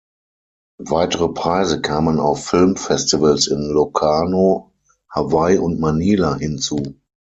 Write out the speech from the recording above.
Weitere Preise kamen auf Filmfestivals in Locarno, Hawaii und Manila hinzu.